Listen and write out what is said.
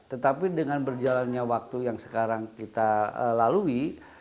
tetapi dengan berjalannya waktu yang sekarang kita lalui